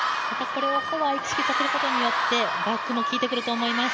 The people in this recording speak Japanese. フォアを意識させることによって、バックも効いてくると思います。